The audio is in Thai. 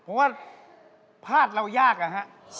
ผมว่าพลาดเรายากอะฮะ